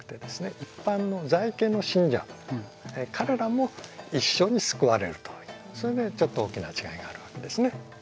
一般の在家の信者彼らも一緒に救われるというそれでちょっと大きな違いがあるわけですね。